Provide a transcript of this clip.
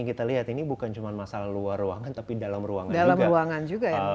kita lihat ini bukan cuma masalah luar ruangan tapi dalam ruang dalam ruangan juga ya